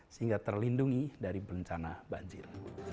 sehingga terlindungi dari bencana banjir